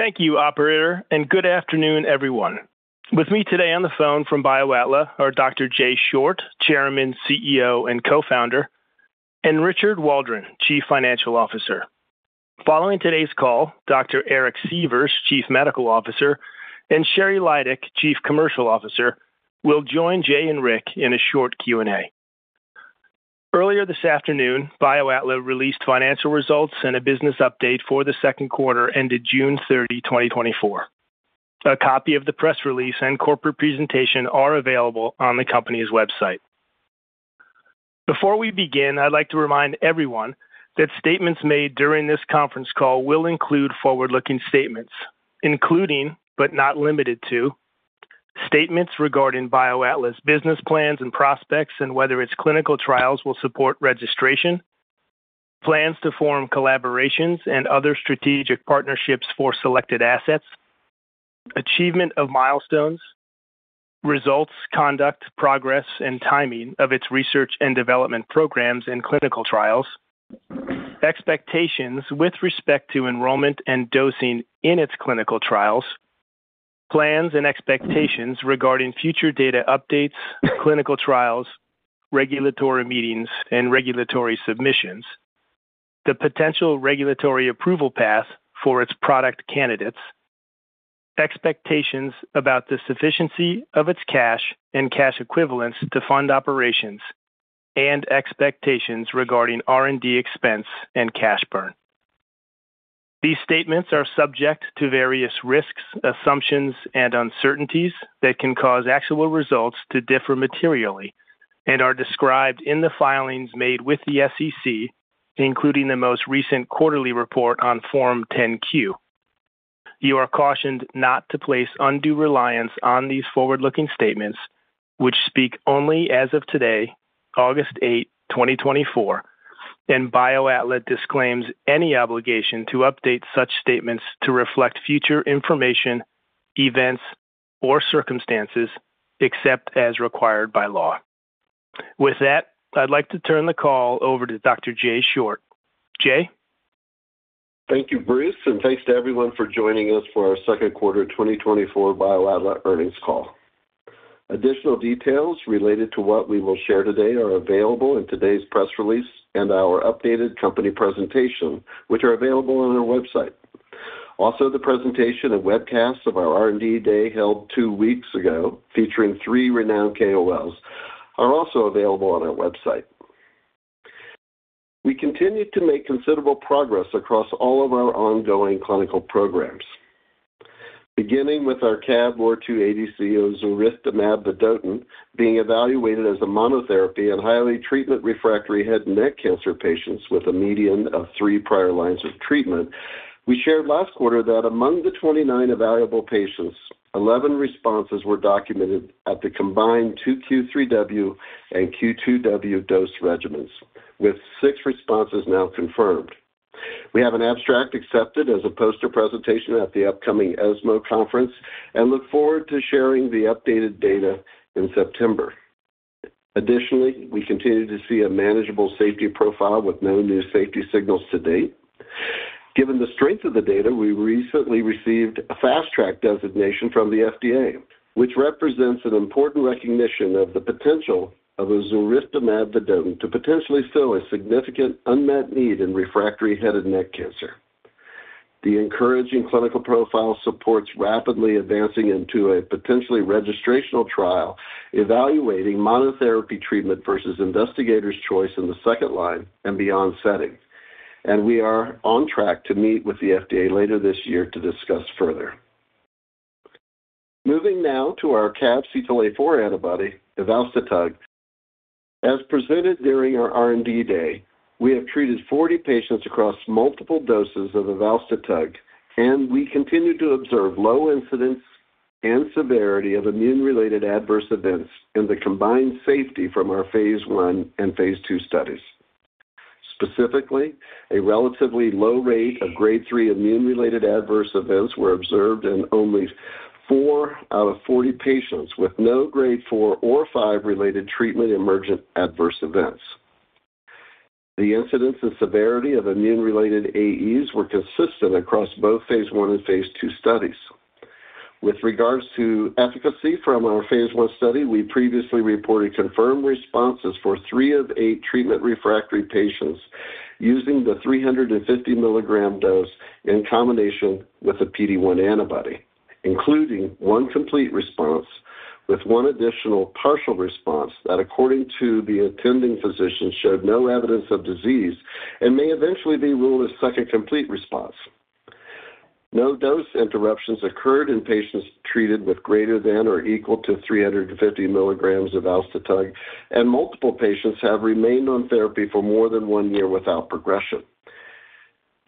Thank you, operator, and good afternoon, everyone. With me today on the phone from BioAtla are Dr. Jay Short, Chairman, CEO, and Co-founder, and Richard Waldron, Chief Financial Officer. Following today's call, Dr. Eric Sievers, Chief Medical Officer, and Sheri Lydick, Chief Commercial Officer, will join Jay and Rick in a short Q&A. Earlier this afternoon, BioAtla released financial results and a business update for the second quarter ended June 30, 2024. A copy of the press release and corporate presentation are available on the company's website. Before we begin, I'd like to remind everyone that statements made during this conference call will include forward-looking statements, including, but not limited to, statements regarding BioAtla business plans and prospects and whether its clinical trials will support registration, plans to form collaborations and other strategic partnerships for selected assets, achievement of milestones, results, conduct, progress, and timing of its research and development programs and clinical trials, expectations with respect to enrollment and dosing in its clinical trials, plans and expectations regarding future data updates, clinical trials, regulatory meetings, and regulatory submissions, the potential regulatory approval path for its product candidates, expectations about the sufficiency of its cash and cash equivalents to fund operations, and expectations regarding R&D expense and cash burn. These statements are subject to various risks, assumptions, and uncertainties that can cause actual results to differ materially and are described in the filings made with the SEC, including the most recent quarterly report on Form 10-Q. You are cautioned not to place undue reliance on these forward-looking statements, which speak only as of today, August 8, 2024, and BioAtla disclaims any obligation to update such statements to reflect future information, events, or circumstances except as required by law. With that, I'd like to turn the call over to Dr. Jay Short. Jay? Thank you, Bruce, and thanks to everyone for joining us for our Q2 2024 BioAtla earnings call. Additional details related to what we will share today are available in today's press release and our updated company presentation, which are available on our website. Also, the presentation and webcast of our R&D Day, held 2 weeks ago, featuring 3 renowned KOLs, are also available on our website. We continued to make considerable progress across all of our ongoing clinical programs. Beginning with our CAB-ROR2 ADC ozuriftamab vedotin being evaluated as a monotherapy in highly treatment-refractory head and neck cancer patients with a median of three prior lines of treatment. We shared last quarter that among the 29 evaluable patients, 11 responses were documented at the combined two Q3W and Q2W dose regimens, with six responses now confirmed. We have an abstract accepted as a poster presentation at the upcoming ESMO conference and look forward to sharing the updated data in September. Additionally, we continue to see a manageable safety profile with no new safety signals to date. Given the strength of the data, we recently received a Fast Track designation from the FDA, which represents an important recognition of the potential of ozuriftamab vedotin to potentially fill a significant unmet need in refractory head and neck cancer. The encouraging clinical profile supports rapidly advancing into a potentially registrational trial, evaluating monotherapy treatment versus investigator's choice in the second line and beyond setting, and we are on track to meet with the FDA later this year to discuss further. Moving now to our CAB-CTLA-4 antibody, evalstotug. As presented during our R&D Day, we have treated 40 patients across multiple doses of evalstotug, and we continue to observe low incidence and severity of immune-related adverse events in the combined safety from our phase I and phase II studies. Specifically, a relatively low rate of Grade 3 immune-related adverse events were observed in only 4 out of 40 patients, with no Grade 4 or 5 related treatment emergent adverse events. The incidence and severity of immune-related AEs were consistent across both phase I and phase II studies. With regards to efficacy from our phase I study, we previously reported confirmed responses for 3 of 8 treatment-refractory patients using the 350 milligram dose in combination with a PD-1 antibody, including 1 complete response with 1 additional partial response that, according to the attending physician, showed no evidence of disease and may eventually be ruled as second complete response. No dose interruptions occurred in patients treated with greater than or equal to 350 milligrams of evalstotug, and multiple patients have remained on therapy for more than 1 year without progression.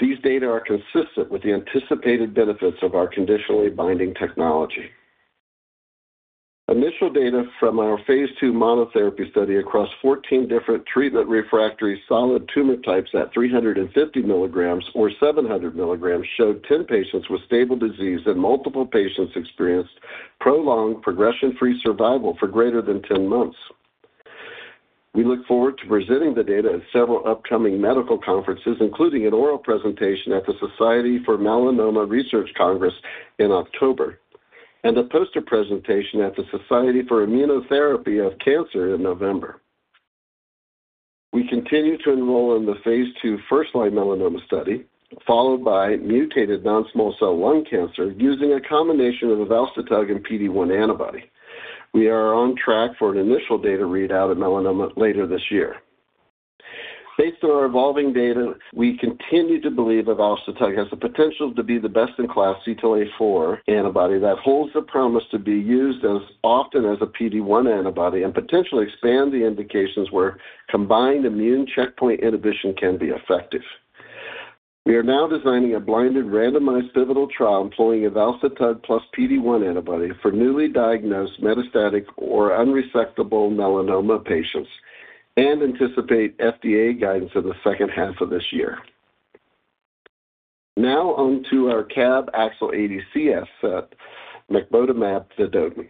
These data are consistent with the anticipated benefits of our conditionally binding technology. Initial data from our phase II monotherapy study across 14 different treatment-refractory solid tumor types at 350 milligrams or 700 milligrams showed 10 patients with stable disease, and multiple patients experienced prolonged progression-free survival for greater than 10 months. We look forward to presenting the data at several upcoming medical conferences, including an oral presentation at the Society for Melanoma Research Congress in October, and a poster presentation at the Society for Immunotherapy of Cancer in November. We continue to enroll in the phase 2 first-line melanoma study, followed by mutated non-small cell lung cancer, using a combination of evalstotug and PD-1 antibody. We are on track for an initial data readout of melanoma later this year. Based on our evolving data, we continue to believe evalstotug has the potential to be the best-in-class CTLA-4 antibody that holds the promise to be used as often as a PD-1 antibody and potentially expand the indications where combined immune checkpoint inhibition can be effective. We are now designing a blinded, randomized pivotal trial employing evalstotug plus PD-1 antibody for newly diagnosed metastatic or unresectable melanoma patients and anticipate FDA guidance in the second half of this year. Now on to our CAB-AXL ADC asset, mecbotamab vedotin.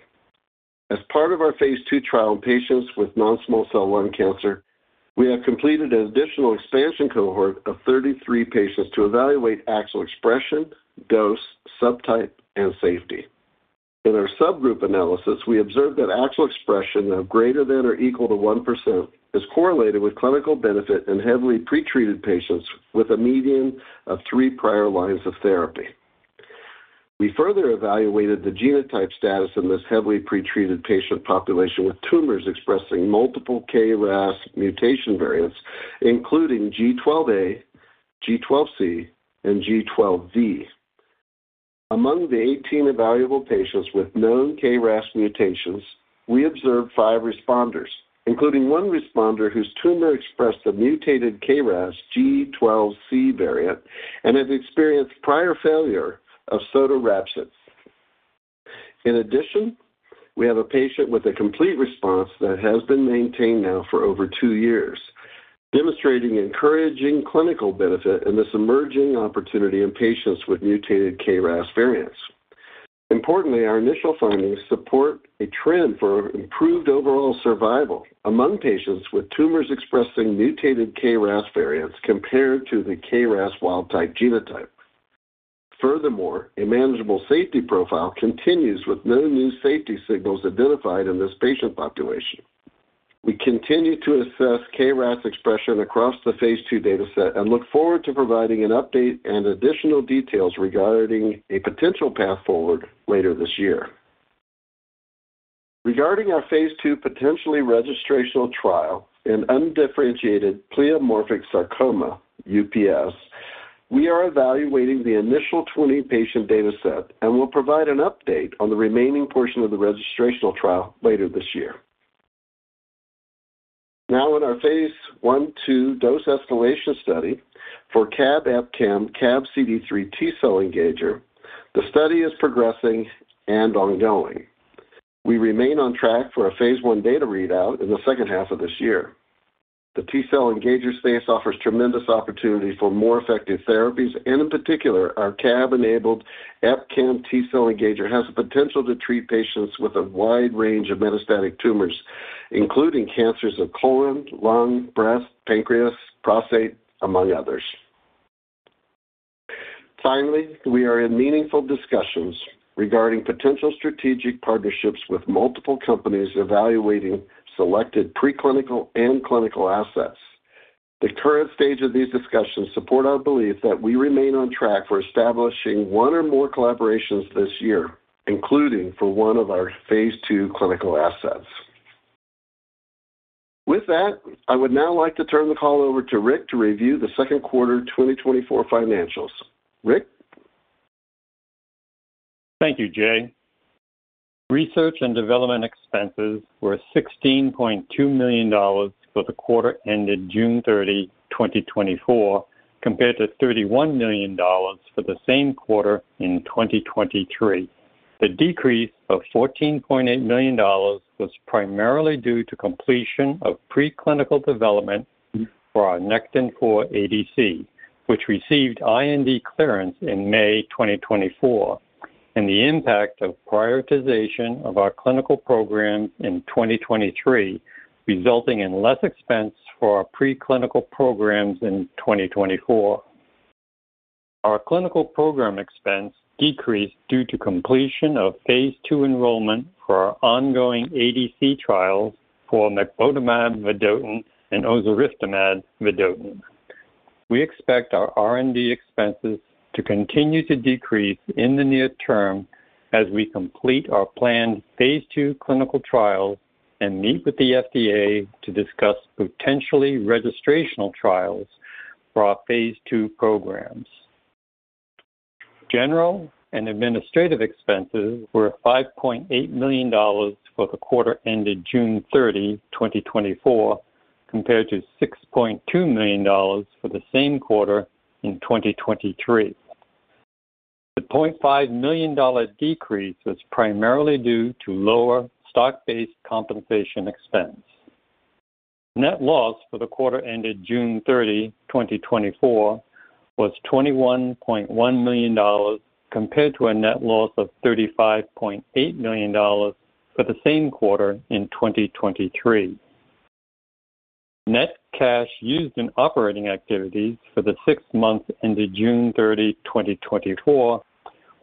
As part of our phase 2 trial in patients with non-small cell lung cancer, we have completed an additional expansion cohort of 33 patients to evaluate AXL expression, dose, subtype, and safety. In our subgroup analysis, we observed that AXL expression of greater than or equal to 1% is correlated with clinical benefit in heavily pretreated patients with a median of three prior lines of therapy. We further evaluated the genotype status in this heavily pretreated patient population with tumors expressing multiple KRAS mutation variants, including G12A, G12C, and G12V. Among the 18 evaluable patients with known KRAS mutations, we observed five responders, including one responder whose tumor expressed a mutated KRAS G12C variant and has experienced prior failure of sotorasib. In addition, we have a patient with a complete response that has been maintained now for over two years, demonstrating encouraging clinical benefit in this emerging opportunity in patients with mutated KRAS variants. Importantly, our initial findings support a trend for improved overall survival among patients with tumors expressing mutated KRAS variants compared to the KRAS wild type genotype. Furthermore, a manageable safety profile continues, with no new safety signals identified in this patient population. We continue to assess KRAS expression across the phase 2 data set and look forward to providing an update and additional details regarding a potential path forward later this year. Regarding our phase 2 potentially registrational trial in undifferentiated pleomorphic sarcoma, UPS, we are evaluating the initial 20-patient data set and will provide an update on the remaining portion of the registrational trial later this year. Now, in our phase 1/2 dose escalation study for CAB-EpCAM, CAB-CD3 T cell engager, the study is progressing and ongoing. We remain on track for a phase 1 data readout in the second half of this year. The T cell engager space offers tremendous opportunity for more effective therapies, and in particular, our CAB-enabled EpCAM T cell engager has the potential to treat patients with a wide range of metastatic tumors, including cancers of colon, lung, breast, pancreas, prostate, among others. Finally, we are in meaningful discussions regarding potential strategic partnerships with multiple companies evaluating selected preclinical and clinical assets. The current stage of these discussions support our belief that we remain on track for establishing one or more collaborations this year, including for one of our phase 2 clinical assets. With that, I would now like to turn the call over to Rick to review the second quarter 2024 financials. Rick? Thank you, Jay. Research and development expenses were $16.2 million for the quarter ended June 30, 2024, compared to $31 million for the same quarter in 2023. The decrease of $14.8 million was primarily due to completion of preclinical development for our Nectin-4 ADC, which received IND clearance in May 2024, and the impact of prioritization of our clinical program in 2023, resulting in less expense for our preclinical programs in 2024. Our clinical program expense decreased due to completion of phase 2 enrollment for our ongoing ADC trials for mecbotamab vedotin and ozuriftamab vedotin. We expect our R&D expenses to continue to decrease in the near term as we complete our planned phase 2 clinical trials and meet with the FDA to discuss potentially registrational trials for our phase 2 programs. General and administrative expenses were $5.8 million for the quarter ended June 30, 2024, compared to $6.2 million for the same quarter in 2023. The $0.5 million decrease was primarily due to lower stock-based compensation expense. Net loss for the quarter ended June 30, 2024, was $21.1 million compared to a net loss of $35.8 million for the same quarter in 2023. Net cash used in operating activities for the six-month period ended June 30,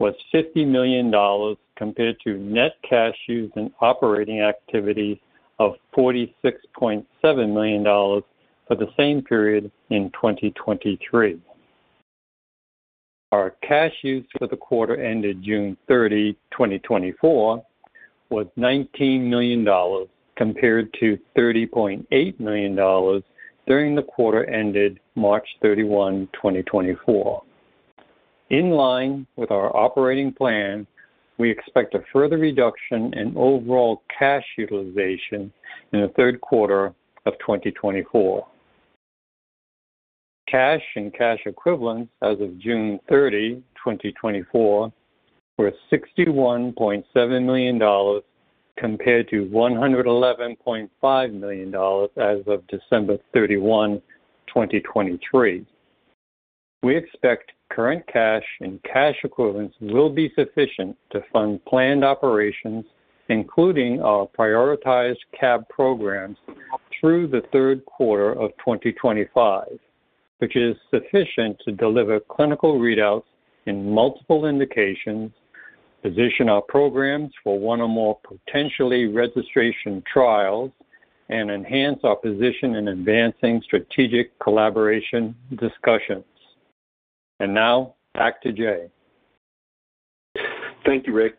2024, was $50 million compared to net cash used in operating activities of $46.7 million for the same period in 2023. Our cash use for the quarter ended June 30, 2024, was $19 million compared to $30.8 million during the quarter ended March 31, 2024. In line with our operating plan, we expect a further reduction in overall cash utilization in the third quarter of 2024. Cash and cash equivalents as of June 30, 2024, were $61.7 million compared to $111.5 million as of December 31, 2023. We expect current cash and cash equivalents will be sufficient to fund planned operations, including our prioritized CAB programs, through the third quarter of 2025, which is sufficient to deliver clinical readouts in multiple indications, position our programs for one or more potentially registration trials, and enhance our position in advancing strategic collaboration discussions. And now, back to Jay. Thank you, Rick.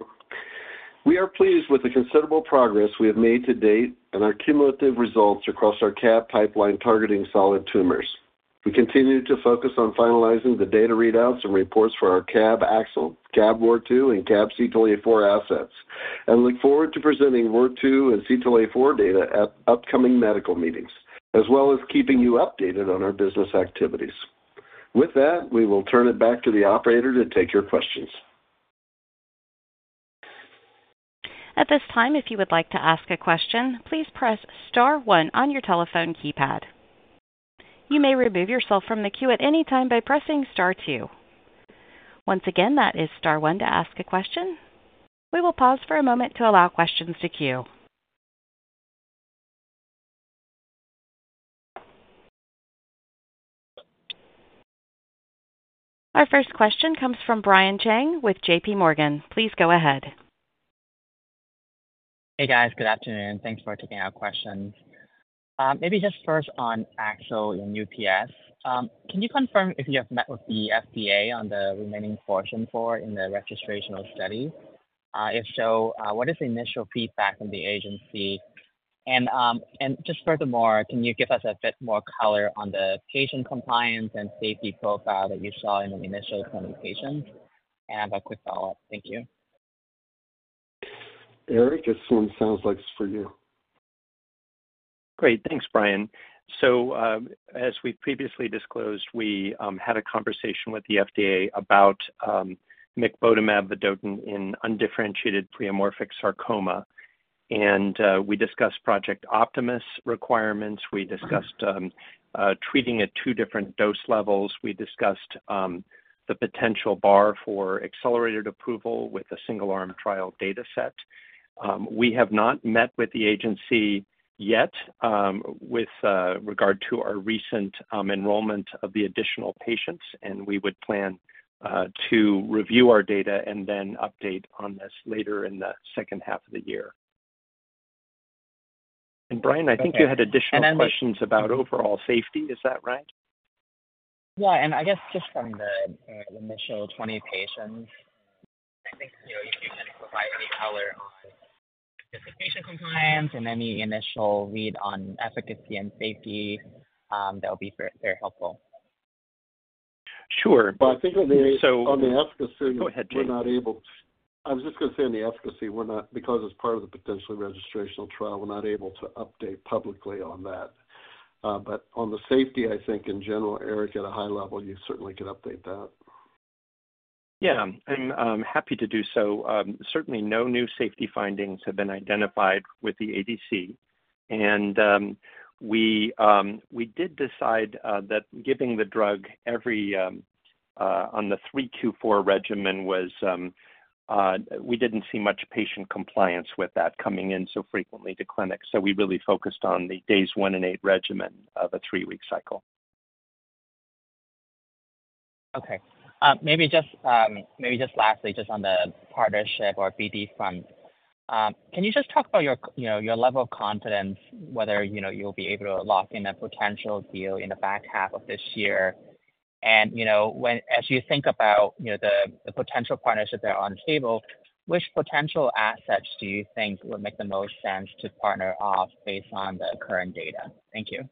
We are pleased with the considerable progress we have made to date and our cumulative results across our CAB pipeline targeting solid tumors. We continue to focus on finalizing the data readouts and reports for our CAB-AXL, CAB-ROR2, and BA-3182 assets, and look forward to presenting ROR2 and 3182 data at upcoming medical meetings, as well as keeping you updated on our business activities. With that, we will turn it back to the operator to take your questions. At this time, if you would like to ask a question, please press star one on your telephone keypad. You may remove yourself from the queue at any time by pressing star two. Once again, that is star one to ask a question. We will pause for a moment to allow questions to queue. Our first question comes from Brian Cheng with J.P. Morgan. Please go ahead. Hey, guys. Good afternoon. Thanks for taking our questions. Maybe just first on AXL in UPS. Can you confirm if you have met with the FDA on the remaining portion for in the registrational study? If so, what is the initial feedback from the agency? And, furthermore, can you give us a bit more color on the patient compliance and safety profile that you saw in the initial presentation? And I have a quick follow-up. Thank you. Eric, this one sounds like it's for you. Great. Thanks, Brian. So, as we previously disclosed, we had a conversation with the FDA about mecbotamab vedotin in undifferentiated pleomorphic sarcoma, and we discussed Project Optimus requirements. We discussed treating at two different dose levels. We discussed the potential bar for accelerated approval with a single-arm trial dataset. We have not met with the agency yet, with regard to our recent enrollment of the additional patients, and we would plan to review our data and then update on this later in the second half of the year. And Brian, I think you had additional questions about overall safety. Is that right? Yeah, and I guess just from the initial 20 patients, I think, you know, you can provide any color on the patient compliance and any initial read on efficacy and safety, that would be very, very helpful. Sure. But I think on the- So- On the efficacy- Go ahead, Jay. We're not able... I was just gonna say, on the efficacy, we're not, because it's part of the potentially registrational trial, we're not able to update publicly on that. But on the safety, I think in general, Eric, at a high level, you certainly can update that. Yeah, I'm happy to do so. Certainly, no new safety findings have been identified with the ADC. And, we did decide that giving the drug every on the 3 of 4 regimen was, we didn't see much patient compliance with that coming in so frequently to clinic, so we really focused on the days 1 and 8 regimen of a 3-week cycle. Okay. Maybe just lastly, just on the partnership or BD funds, can you just talk about your, you know, your level of confidence, whether, you know, you'll be able to lock in a potential deal in the back half of this year? And, you know, as you think about, you know, the potential partnerships that are on the table, which potential assets do you think would make the most sense to partner off based on the current data? Thank you.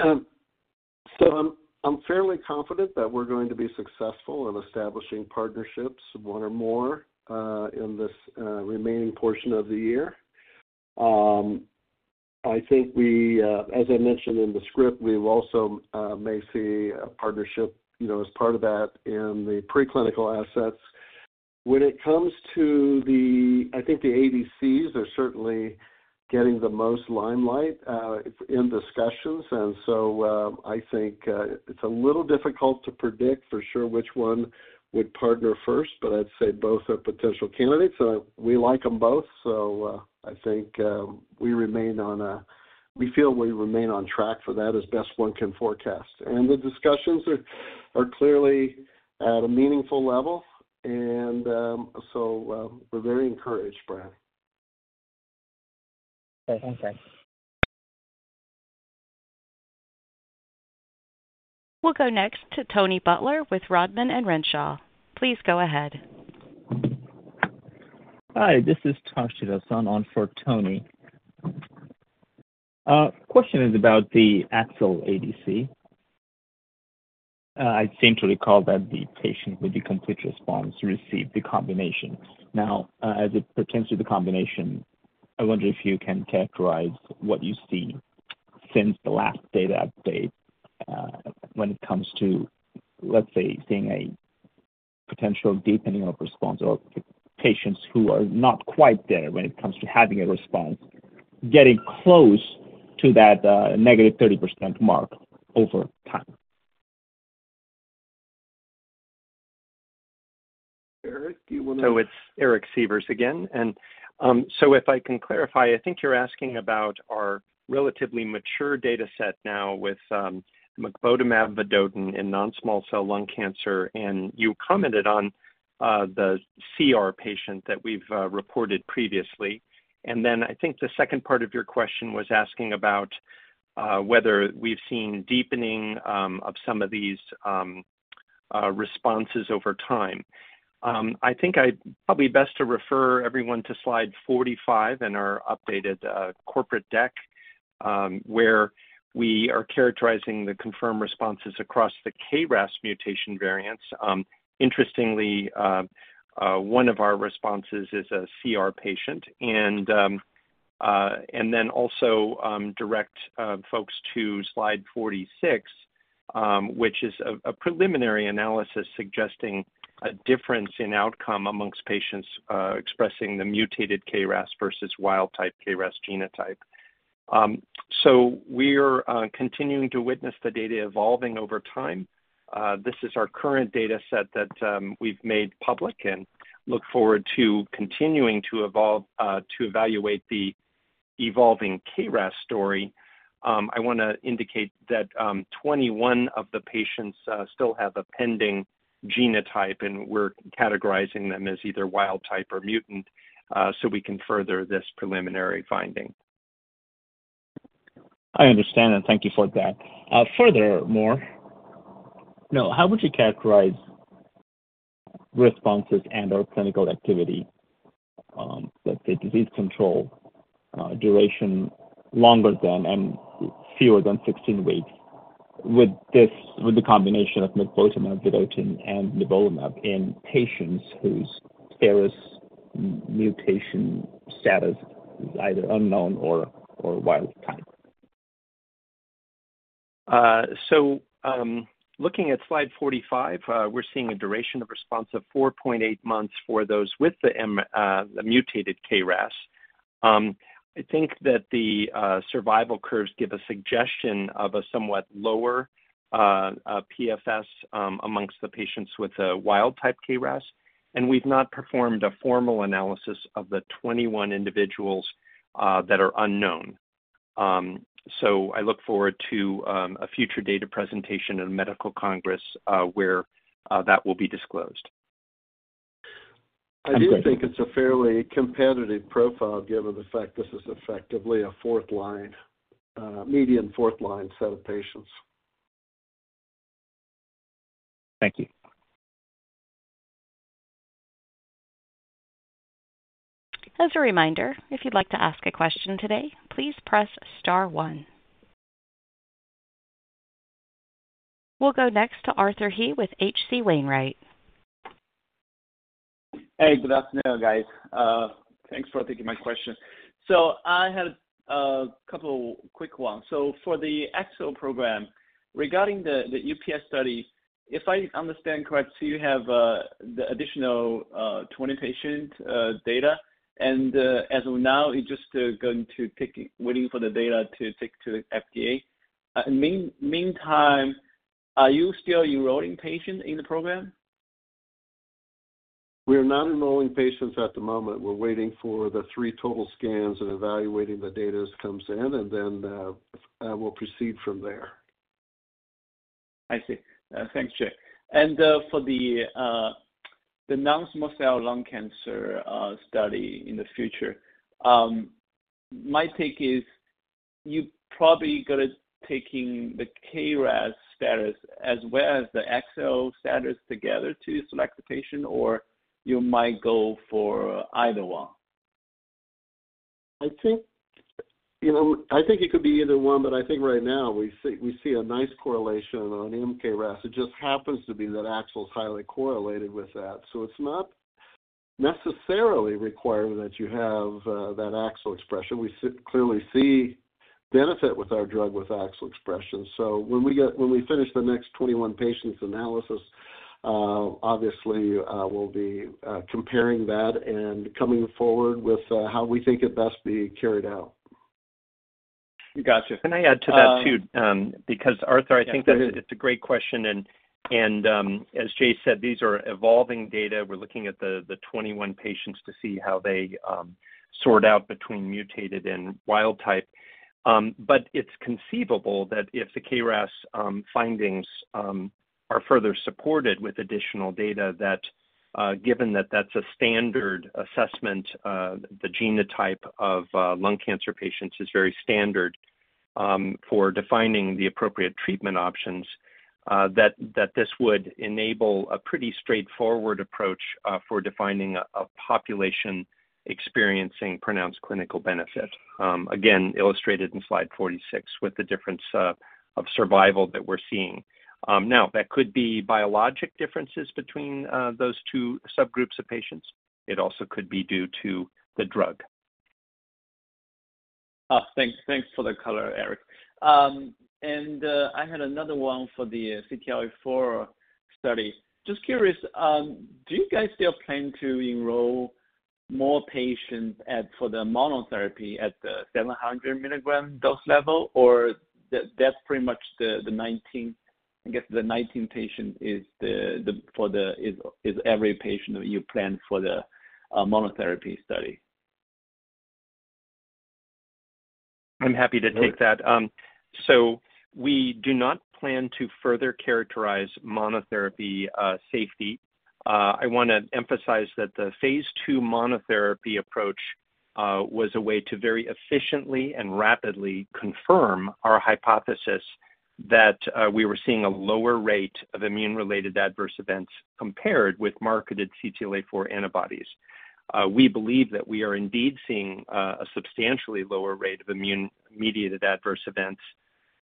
So I'm fairly confident that we're going to be successful in establishing partnerships, one or more, in this remaining portion of the year. I think we, as I mentioned in the script, we also may see a partnership, you know, as part of that in the preclinical assets.... When it comes to the, I think the ADCs are certainly getting the most limelight in discussions. And so I think it's a little difficult to predict for sure which one would partner first, but I'd say both are potential candidates, so we like them both. So I think we feel we remain on track for that as best one can forecast. And the discussions are clearly at a meaningful level. And so we're very encouraged, Brad. Okay, thanks. We'll go next to Tony Butler with Rodman & Renshaw. Please go ahead. Hi, this is Toshi Rosan on for Tony. Question is about the AXL ADC. I seem to recall that the patient with the complete response received the combination. Now, as it pertains to the combination, I wonder if you can characterize what you see since the last data update, when it comes to, let's say, seeing a potential deepening of response or patients who are not quite there when it comes to having a response, getting close to that, -30% mark over time. Eric, do you wanna- So it's Eric Sievers again. And, so if I can clarify, I think you're asking about our relatively mature dataset now with mecbotamab vedotin in non-small cell lung cancer, and you commented on the CR patient that we've reported previously. And then I think the second part of your question was asking about whether we've seen deepening of some of these responses over time. I think I'd probably best to refer everyone to slide 45 in our updated corporate deck, where we are characterizing the confirmed responses across the KRAS mutation variants. Interestingly, one of our responses is a CR patient, and then also direct folks to slide 46, which is a preliminary analysis suggesting a difference in outcome among patients expressing the mutated KRAS versus wild type KRAS genotype. So we are continuing to witness the data evolving over time. This is our current data set that we've made public and look forward to continuing to evolve to evaluate the evolving KRAS story. I wanna indicate that 21 of the patients still have a pending genotype, and we're categorizing them as either wild type or mutant, so we can further this preliminary finding. I understand, and thank you for that. Furthermore, now, how would you characterize responses and/or clinical activity, let's say, disease control, duration longer than and fewer than 16 weeks, with this, with the combination of mecbotamab vedotin and nivolumab in patients whose KRAS mutation status is either unknown or wild type? So, looking at slide 45, we're seeing a duration of response of 4.8 months for those with the mutated KRAS. I think that the survival curves give a suggestion of a somewhat lower PFS among the patients with a wild type KRAS, and we've not performed a formal analysis of the 21 individuals that are unknown. So I look forward to a future data presentation in medical congress where that will be disclosed. I do think it's a fairly competitive profile, given the fact this is effectively a fourth line, median fourth line set of patients. Thank you. As a reminder, if you'd like to ask a question today, please press star one. We'll go next to Arthur He with H.C. Wainwright. Hey, good afternoon, guys. Thanks for taking my question. So I had a couple quick ones. So for the AXL program, regarding the UPS study, if I understand correct, so you have the additional 20 patient data, and as of now, you're just waiting for the data to take to the FDA. Meantime, are you still enrolling patients in the program? We are not enrolling patients at the moment. We're waiting for the three total scans and evaluating the data as comes in, and then we'll proceed from there. I see. Thanks, Jay. And, for the non-small cell lung cancer study in the future, my take is you probably gonna taking the KRAS status as well as the AXL status together to select the patient, or you might go for either one? I think, you know, I think it could be either one, but I think right now we see, we see a nice correlation on mKRAS. It just happens to be that AXL is highly correlated with that. So it's not necessarily required that you have that AXL expression. We clearly see benefit with our drug with AXL expression. So when we finish the next 21 patients analysis, obviously, we'll be comparing that and coming forward with how we think it best be carried out. Gotcha. Can I add to that, too? Because, Arthur, I think that it's a great question. And as Jay said, these are evolving data. We're looking at the 21 patients to see how they sort out between mutated and wild type. But it's conceivable that if the KRAS findings are further supported with additional data, that, given that that's a standard assessment, the genotype of lung cancer patients is very standard, for defining the appropriate treatment options, that this would enable a pretty straightforward approach, for defining a population experiencing pronounced clinical benefit. Again, illustrated in slide 46 with the difference of survival that we're seeing. Now, that could be biologic differences between those two subgroups of patients. It also could be due to the drug. Thanks. Thanks for the color, Eric. I had another one for the CTLA-4 study. Just curious, do you guys still plan to enroll more patients for the monotherapy at the 700 mg dose level? Or that's pretty much the 19, I guess, the 19th patient is every patient that you plan for the monotherapy study. I'm happy to take that. So we do not plan to further characterize monotherapy safety. I want to emphasize that the phase 2 monotherapy approach was a way to very efficiently and rapidly confirm our hypothesis that we were seeing a lower rate of immune-related adverse events compared with marketed CTLA-4 antibodies. We believe that we are indeed seeing a substantially lower rate of immune-mediated adverse events.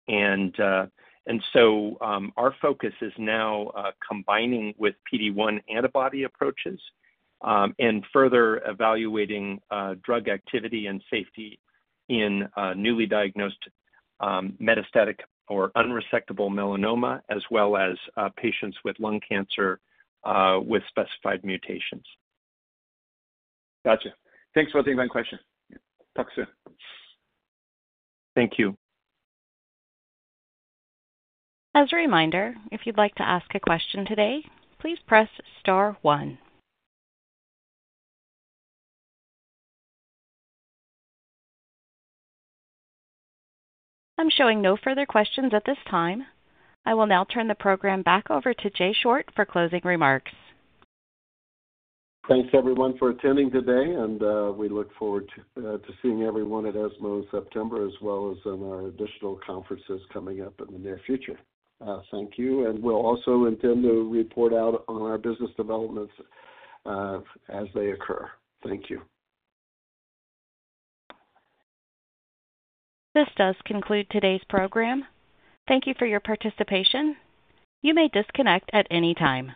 And so, our focus is now combining with PD-1 antibody approaches and further evaluating drug activity and safety in newly diagnosed metastatic or unresectable melanoma, as well as patients with lung cancer with specified mutations. Gotcha. Thanks for taking my question. Talk soon. Thank you. As a reminder, if you'd like to ask a question today, please press star one. I'm showing no further questions at this time. I will now turn the program back over to Jay Short for closing remarks. Thanks, everyone, for attending today, and we look forward to seeing everyone at ESMO in September, as well as in our additional conferences coming up in the near future. Thank you, and we'll also intend to report out on our business developments, as they occur. Thank you. This does conclude today's program. Thank you for your participation. You may disconnect at any time.